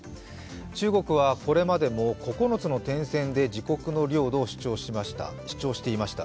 中国はこれまでも９つの点線で自国の領土を主張していました。